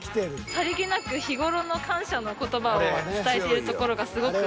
さりげなく日頃の感謝の言葉を伝えてるところがすごく。